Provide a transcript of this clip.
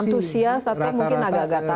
antusias tapi mungkin agak agak takut